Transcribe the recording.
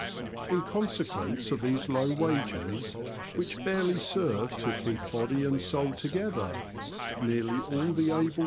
In consequence of these low wages, which barely serve to keep body and soul together, nearly all the CHARACTERISTICS AND DIALECT.